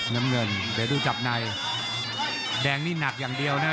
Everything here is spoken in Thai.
น้ำเงินเดี๋ยวดูจับในแดงนี่หนักอย่างเดียวนะ